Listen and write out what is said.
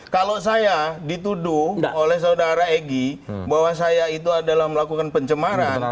kalau saya dituduh oleh saudara egy bahwa saya itu adalah melakukan pencemaran